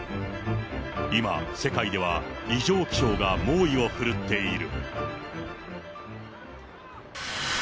今、世界では異常気象が猛威を振るっている。